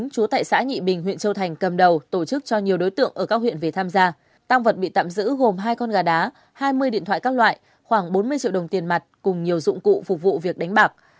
cùng nhiều dụng cụ phục vụ việc đánh bạc